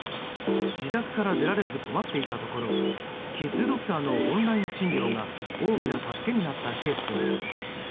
自宅から出られず困っていたところキッズドクターのオンライン診療が大きな助けになったケースも。